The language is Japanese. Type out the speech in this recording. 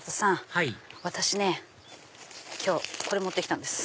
はい私今日これ持ってきたんです。